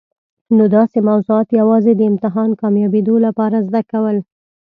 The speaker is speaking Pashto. نو داسي موضوعات یوازي د امتحان کامیابېدو لپاره زده کول.